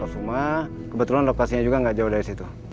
kalau suma kebetulan lokasinya juga nggak jauh dari situ